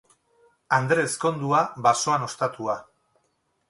Andre ezkondua, basoan ostatua.